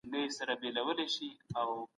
کار کول هغه وخت موثر دی چې فکر په بل ځای نه وي.